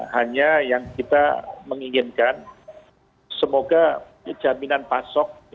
hanya yang kita menginginkan semoga jaminan pasok